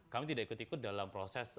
kami tidak ikut ikut dalam proses